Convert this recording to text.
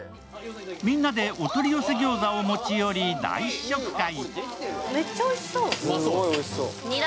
みんなでお取り寄せギョーザを持ち寄り大試食会。